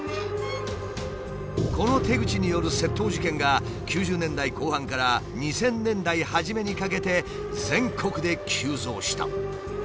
この手口による窃盗事件が９０年代後半から２０００年代初めにかけて全国で急増した。